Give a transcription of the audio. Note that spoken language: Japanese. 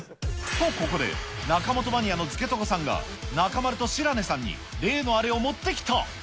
と、ここで中本マニアのづけとごさんが、中丸と白根さんに例のあれを持ってきた。